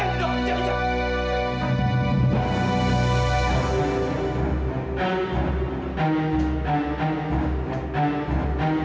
semoga jadi semuanya ini